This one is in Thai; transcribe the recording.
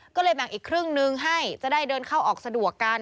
ก็เลยแบ่งอีกครึ่งนึงให้จะได้เดินเข้าออกสะดวกกัน